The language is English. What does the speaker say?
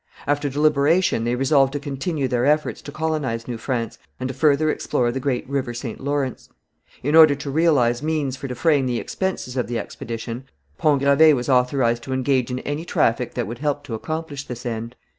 After deliberation they resolved to continue their efforts to colonize New France and to further explore the great river St. Lawrence. In order to realize means for defraying the expenses of the expedition, Pont Gravé was authorized to engage in any traffic that would help to accomplish this end.